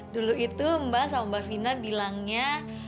dulu itu mbak sama mbak vina bilangnya